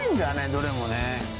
どれもね